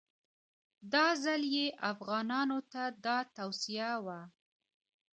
دا ځل یې افغانانو ته دا توصیه وه.